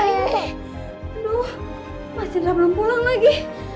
aduh masih tidak pulang lagi